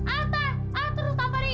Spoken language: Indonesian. ata ata terus tak tarik